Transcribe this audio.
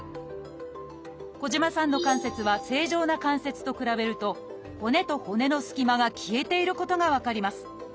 児島さんの関節は正常な関節と比べると骨と骨の隙間が消えていることが分かります。